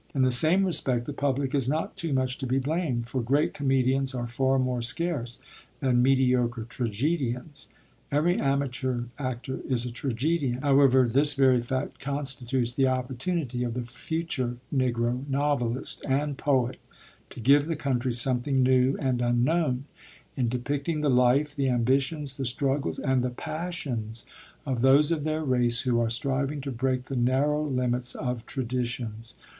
In the same respect, the public is not too much to be blamed, for great comedians are far more scarce than mediocre tragedians; every amateur actor is a tragedian. However, this very fact constitutes the opportunity of the future Negro novelist and poet to give the country something new and unknown, in depicting the life, the ambitions, the struggles, and the passions of those of their race who are striving to break the narrow limits of traditions.